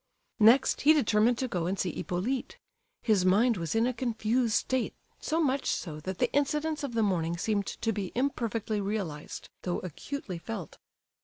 Next, he determined to go and see Hippolyte. His mind was in a confused state, so much so that the incidents of the morning seemed to be imperfectly realized, though acutely felt.